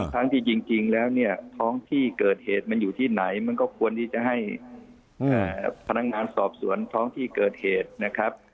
ทั้งที่จริงแล้วเนี่ยท้องที่เกิดเหตุมันอยู่ที่ไหนมันก็ควรที่จะให้พนักงานสอบสวนท้องที่เกิดเหตุนะครับ